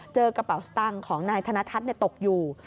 เจอกระเป๋าสตางค์ของนายธนทัศน์ตกอยู่